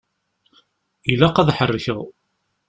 Ilaq ad ḥerrkeɣ.